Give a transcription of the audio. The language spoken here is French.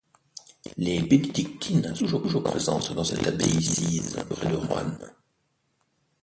Les bénédictines sont toujours présentes dans cette abbaye sise près de Roanne.